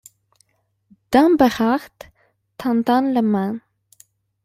Dame Bérarde, tendant la main.